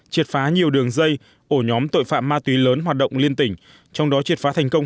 triệt phá nhiều đường dây ổ nhóm tội phạm ma túy lớn hoạt động liên tỉnh trong đó triệt phá thành công